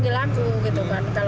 kalau misalkan itu